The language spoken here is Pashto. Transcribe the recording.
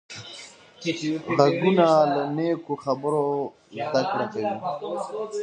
غوږونه له نیکو خبرو زده کړه کوي